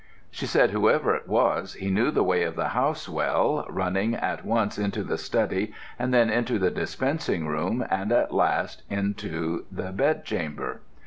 She said whoever he was he knew the way of the house well, running at once into the study and then into the dispensing room, and last into the bed chamber.